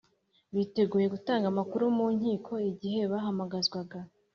biteguye gutanga amakuru mu nkiko igihe bahamagazwa.